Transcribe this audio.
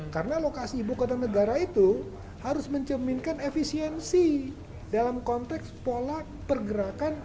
karena lokasi ibu kota negara itu harus mencerminkan efisiensi dalam konteks pola pergerakan